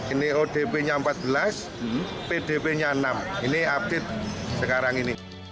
ini odp nya empat belas pdp nya enam ini update sekarang ini